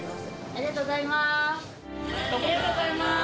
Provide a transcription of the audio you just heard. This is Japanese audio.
ありがとうございます。